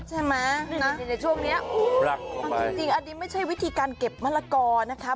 ใช่ไหมในช่วงนี้จริงอันนี้ไม่ใช่วิธีการเก็บมะละกอนะคะ